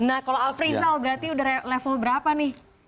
nah kalau afrisal berarti udah level berapa nih